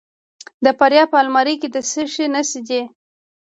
د فاریاب په المار کې د څه شي نښې دي؟